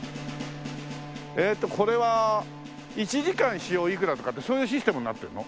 ええとこれは１時間使用いくらとかってそういうシステムになってんの？